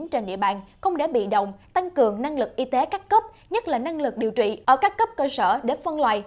trên địa bàn không để bị động tăng cường năng lực y tế các cấp nhất là năng lực điều trị ở các cấp cơ sở để phân loại